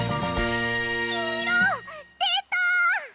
きんいろでた！